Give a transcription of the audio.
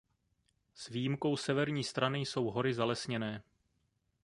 S výjimkou severní strany jsou hory zalesněné.